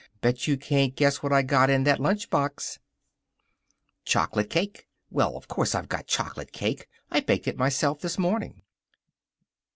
"Bet you can't guess what I got in that lunch box." "Chocolate cake." "Well, of course I've got chocolate cake. I baked it myself this morning."